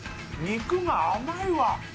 肉が甘いわ！